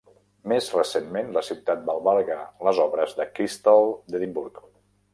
Més recentment, la ciutat va albergar les obres de Cristall d'Edimburg.